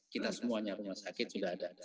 kita semuanya rumah sakit sudah ada